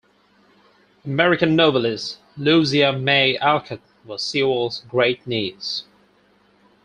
American novelist Louisa May Alcott was Sewall's great niece.